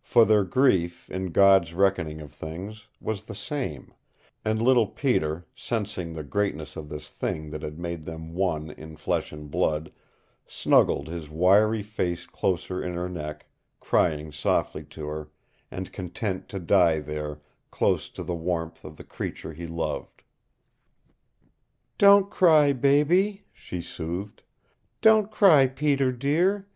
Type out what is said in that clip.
For their grief, in God's reckoning of things, was the same; and little Peter, sensing the greatness of this thing that had made them one in flesh and blood, snuggled his wiry face closer in her neck, crying softly to her, and content to die there close to the warmth of the creature he loved. "Don't cry, baby," she soothed. "Don't cry, Peter, dear.